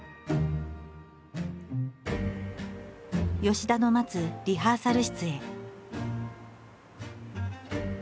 吉田の待つリハーサル室へ。